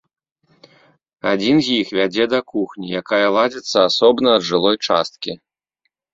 Адзін з іх вядзе да кухні, якая ладзіцца асобна ад жылой часткі.